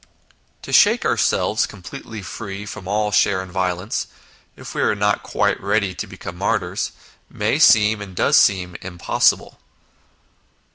To shake ourselves completely free from all share in violence, if we are not quite ready to become martyrs, may seem and does seem impossible.